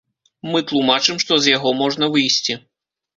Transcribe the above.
Мы тлумачым, што з яго можна выйсці.